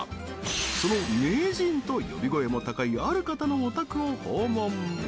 その名人と呼び声も高いある方のお宅を訪問。